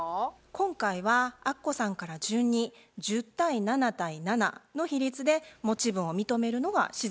今回はアッコさんから順に１０対７対７の比率で持分を認めるのが自然だと思います。